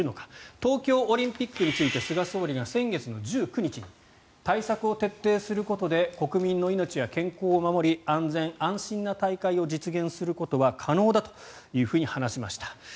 東京オリンピックについて菅総理が先月の１９日に対策を徹底することで国民の命や健康を守り安全安心な大会を実現することは可能だというふうに話しました。